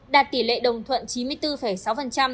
đạt tỷ lệ đồng thuận chín mươi bốn sáu